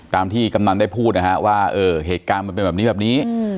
ตามที่กำนันได้พูดนะฮะว่าเหตุการณ์มันเป็นแบบนี้แบบนี้